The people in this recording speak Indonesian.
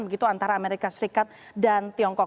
begitu antara amerika serikat dan tiongkok